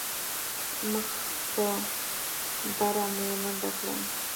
مخ په بره مې منډه کړه.